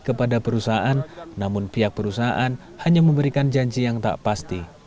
kepada perusahaan namun pihak perusahaan hanya memberikan janji yang tak pasti